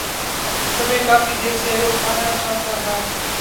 تمہیں کافی دیر سے اٹھانا چاہتا تھا۔